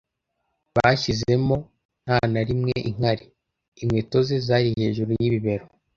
bashyizwemo nta na rimwe inkari: inkweto ze zari hejuru yibibero!